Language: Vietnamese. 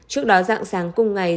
trước đó dặn sáng cùng ngày